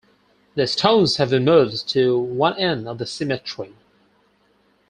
The stones have been moved to one end of the cemetery.